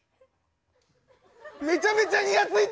めちゃめちゃにやついとる！